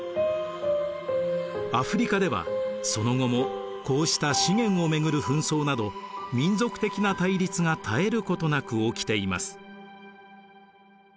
アフリカではその後もこうした資源をめぐる紛争など民族的な対立が絶えることなく起きています。